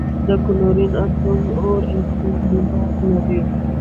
د کلورین اتوم اوه الکترونونه لري.